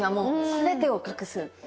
全てを隠す。